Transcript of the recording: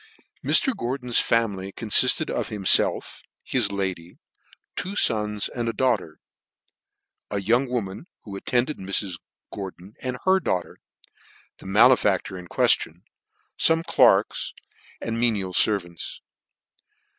Mr. Gordon's family confifled of himfelf, his lady, two fons and a daughter, a young woman who attended Mrs. Gordon and her daughter, the malefactor in queftion, fome clerks and menial fervants.